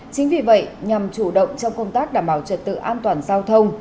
chính vì vậy nhằm chủ động trong công tác đảm bảo trật tự an toàn giao thông